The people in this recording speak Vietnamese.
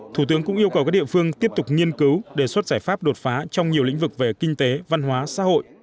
thủ tướng cũng yêu cầu các địa phương tiếp tục nghiên cứu đề xuất giải pháp đột phá trong nhiều lĩnh vực về kinh tế văn hóa xã hội